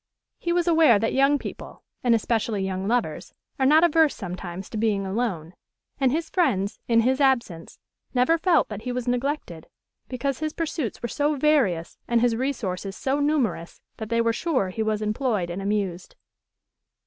He was aware that young people, and especially young lovers, are not averse sometimes to being alone; and his friends, in his absence, never felt that he was neglected, because his pursuits were so various and his resources so numerous that they were sure he was employed and amused.